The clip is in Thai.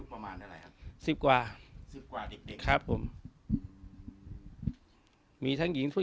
ประมาณเท่าไหร่ครับสิบกว่าสิบกว่าเด็กเด็กครับผมมีทั้งหญิงผู้